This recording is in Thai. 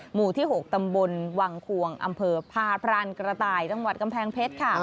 หมู่ที่๖ตำบลวังควงอำเภอพาพรานกระต่ายจังหวัดกำแพงเพชรค่ะ